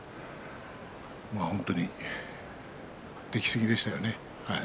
本当にできすぎでしたよね。